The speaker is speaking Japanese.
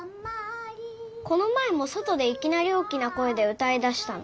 この前も外でいきなり大きな声で歌いだしたの。